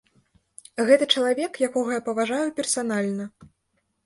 Гэта чалавек, якога я паважаю персанальна.